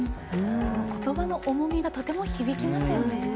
言葉の重みがとても響きますよね。